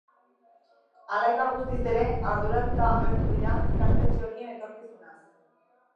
Hala eta guztiz ere, arduratuta agertu dira ikastetxe horien etorkizunaz.